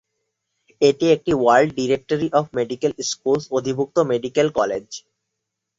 এটি একটি world directory of medical schools অধিভুক্ত মেডিকেল কলেজ।